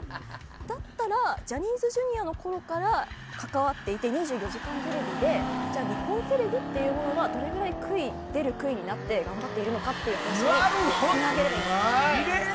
だったらジャニーズＪｒ．のころから関わっていて「２４時間テレビ」でじゃあ、日本テレビというものはどれぐらい出る杭になって頑張っているのかという話につなげればいいんですよ。